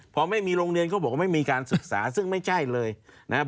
พอไม่มีโรงเรียนเขาบอกว่าไม่มีการศึกษาซึ่งไม่ใช่เลยนะครับ